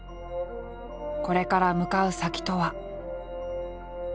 これから向かう先とは。